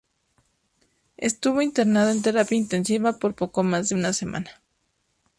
Estuvo internado en terapia intensiva por poco más de una semana.